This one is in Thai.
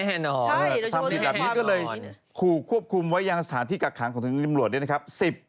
แน่นอนทำผิดแบบนี้ก็เลยขู่ควบคุมไว้ยังสถานที่กักขังของทางตำรวจด้วยนะครับ